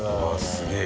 すげえ！